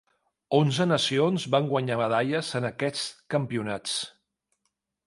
Onze nacions van guanyar medalles en aquests campionats.